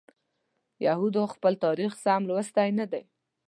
یهودو خپل تاریخ سم لوستی نه دی.